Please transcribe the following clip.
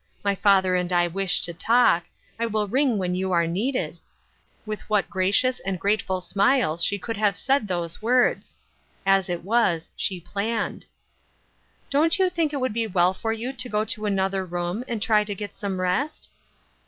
My father and I wish to talk ; I will ring when you are needed "— with what gracious and grateful smiles she could have said those words ! As it was, she planned. " Don't you think it would be well for you to go to another room, and try to get some rest